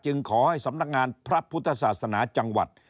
ขอให้สำนักงานพระพุทธศาสนาจังหวัด